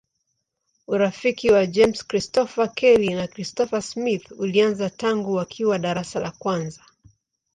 Urafiki wa James Christopher Kelly na Christopher Smith ulianza tangu wakiwa darasa la kwanza.